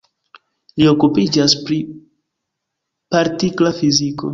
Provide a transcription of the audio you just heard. Li okupiĝas pri partikla fiziko.